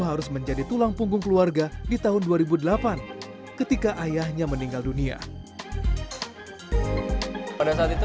harus menjadi tulang punggung keluarga di tahun dua ribu delapan ketika ayahnya meninggal dunia pada saat itu